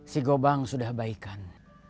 si gobang sudah baikan